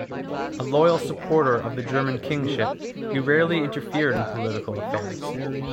A loyal supporter of the German kingship, he rarely interfered in political affairs.